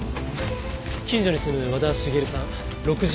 近所に住む和田茂さん６５歳です。